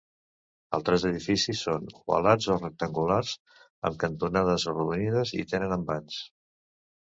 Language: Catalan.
Altres edificis són ovalats o rectangulars amb cantonades arrodonides i tenen envans.